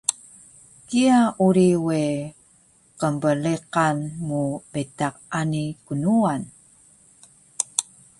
kiya uri we qnbleqan mu betaq ani knuwan